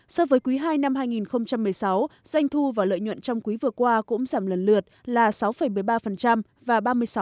so với quý hai năm hai nghìn một mươi sáu doanh thu và lợi nhuận trong quý vừa qua cũng giảm lần lượt là sáu một mươi ba và ba mươi sáu một mươi năm